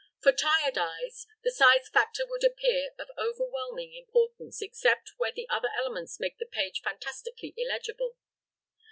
For "tired eyes" the size factor would appear of overwhelming importance except where the other elements make the page fantastically illegible.